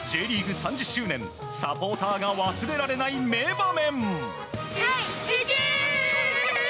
３０周年サポーターが忘れられない名場面。